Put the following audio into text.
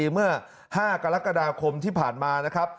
เมื่อ๕กรกฎาคมที่ผ่านมา